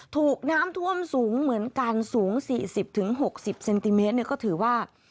ถูกน้ำท่วมสูงเหมือนกันสูงสี่สิบถึงหกสิบเซนติเมตรเนี่ยก็ถือว่า